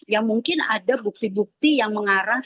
ya mungkin ada bukti bukti yang mengarah